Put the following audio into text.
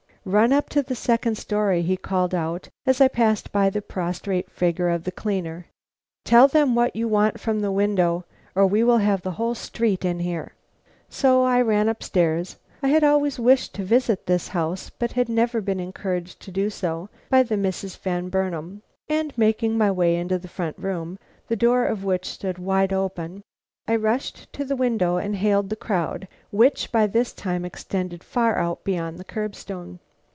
"Run up to the second story," he called out, as I passed by the prostrate figure of the cleaner. "Tell them what you want from the window, or we will have the whole street in here." So I ran up stairs, I had always wished to visit this house, but had never been encouraged to do so by the Misses Van Burnam, and making my way into the front room, the door of which stood wide open, I rushed to the window and hailed the crowd, which by this time extended far out beyond the curb stone.